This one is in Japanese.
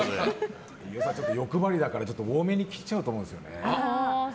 飯尾さん、欲張りだから多めに切っちゃうと思います。